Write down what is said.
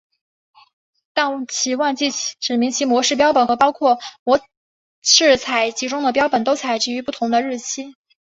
但其忘记指明其模式标本和包括模式采集中的标本都采集于不同的日期。